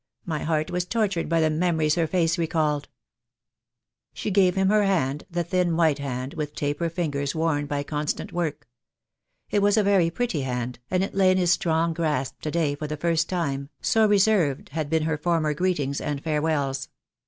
My heart was tortured by the memories her face recalled." She gave him her hand, the thin white hand, with taper fingers worn by constant work. It was a very pretty hand, and it lay in his strong, grasp to day for the first time, so reserved had been her former greetings and farewells.